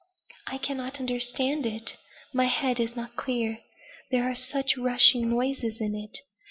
"I cannot understand it. My head is not clear. There are such rushing noises in it.